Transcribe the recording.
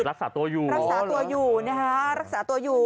รักษาตัวอยู่นะคะรักษาตัวอยู่